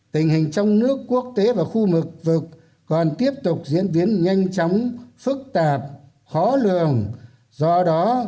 tình hình trong nước quốc tế và khu vực còn tiếp tục diễn biến nhanh chóng phức tạp khó lường do đó